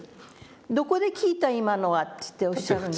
「どこで聞いた今のは？」っておっしゃるんです。